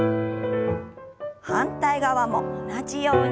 反対側も同じように。